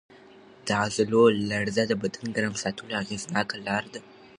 د عضلو لړزه د بدن ګرم ساتلو اغېزناکه لار ده.